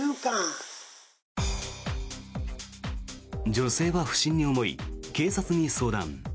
女性は不審に思い警察に相談。